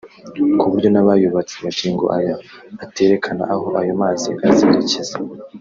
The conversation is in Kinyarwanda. ku buryo n’abayubatse magingo aya baterekana aho ayo mazi azerekeza